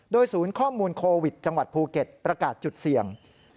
ศูนย์ข้อมูลโควิดจังหวัดภูเก็ตประกาศจุดเสี่ยง